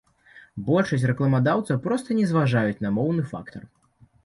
Большасць рэкламадаўцаў проста не зважаюць на моўны фактар.